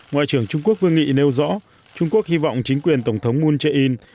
ngoại trưởng trung quốc vương nghị nêu rõ trung quốc hy vọng chính quyền tổng thống moon jae in